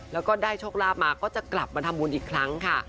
แล้วก็ได้โชคลาภมาก็จะกลับมาทำบุญอีกครั้งค่ะ